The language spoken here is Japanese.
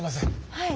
はい。